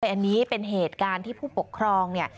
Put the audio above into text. อันนี้เป็นเหตุการณ์ที่ผู้ปกครองเนี่ย